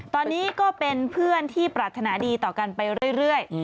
ตอนนี้ก็เป็นเพื่อนที่ปรารถนาดีต่อกันไปเรื่อย